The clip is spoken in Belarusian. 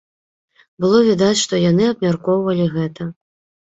Было відаць, што яны абмяркоўвалі гэта.